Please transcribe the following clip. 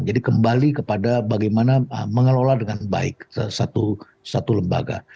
jadi kembali kepada bagaimana mengelola dengan baik satu lembaga